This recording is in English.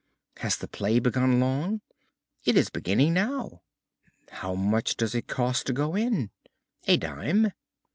"Has the play begun long?" "It is beginning now." "How much does it cost to go in?" "A dime."